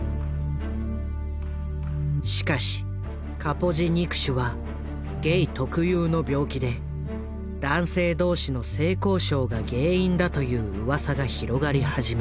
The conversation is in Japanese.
しかしカポジ肉腫はゲイ特有の病気で男性同士の性交渉が原因だといううわさが広がり始める。